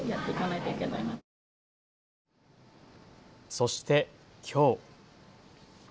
そして、きょう。